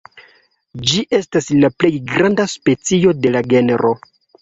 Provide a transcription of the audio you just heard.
Ĝi estas la plej granda specio de la genro.